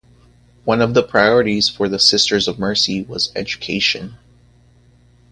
One of the priorities for the Sisters of Mercy was education.